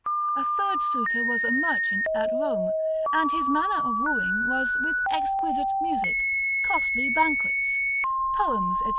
A third suitor was a merchant of Rome, and his manner of wooing was with exquisite music, costly banquets, poems, &c.